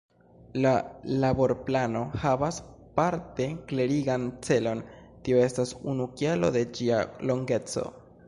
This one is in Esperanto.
La Laborplano havas parte klerigan celon - tio estas unu kialo de ĝia longeco.